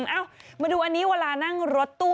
เอ้ามาดูอันนี้เวลานั่งรถตู้